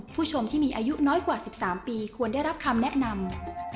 ผู้ชมที่มีอายุน้อยกว่า๑๓ปีควรได้รับคำแนะนำ